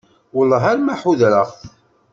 Wellah arma ḥudreɣ-k.